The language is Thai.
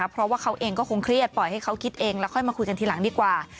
เพราะว่าเขาเองก็คงเครียดปล่อยให้เขาคิดเองแล้วค่อยมาคุยกันทีหลังดีกว่า